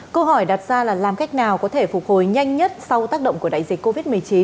câu hỏi đặt ra là làm cách nào có thể phục hồi nhanh nhất sau tác động của đại dịch covid một mươi chín